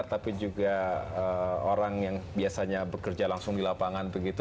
tapi juga orang yang biasanya bekerja langsung di lapangan begitu